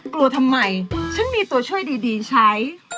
กลัวทำไมฉันมีตัวช่วยดีใช้